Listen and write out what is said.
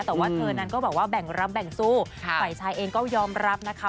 แต่ว่าเธอนั้นก็แบบว่าแบ่งรับแบ่งสู้ฝ่ายชายเองก็ยอมรับนะคะ